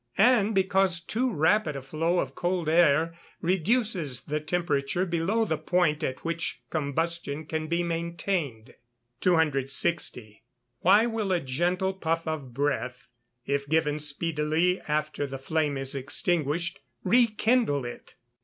And because too rapid a flow of cold air reduces the temperature below the point at which combustion can be maintained. 260. _Why will a gentle puff of breath, if given speedily after the flame is extinguished, rekindle it?